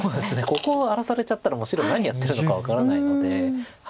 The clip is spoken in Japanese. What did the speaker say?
ここを荒らされちゃったら白何やってるのか分からないので。